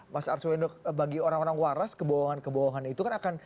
mas arswendo bagi orang orang waras kebohongan kebohongan itu kan akan